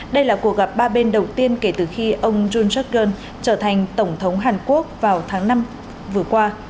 đây là cuộc gặp ba bên đầu tiên kể từ khi ông john seokern trở thành tổng thống hàn quốc vào tháng năm vừa qua